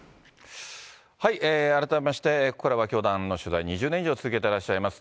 改めまして、ここからは教団の取材、２０年以上続けていらっしゃいます